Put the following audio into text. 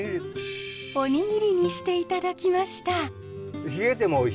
おにぎりにしていただきました。